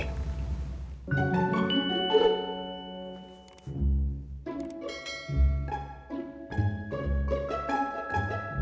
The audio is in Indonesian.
ini lu siapa